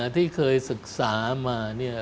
ที่เคยศึกษามา